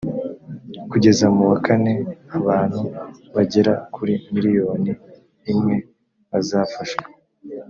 kugeza mu wa kane abantu bagera kuri miriyoni imwe bazafashwa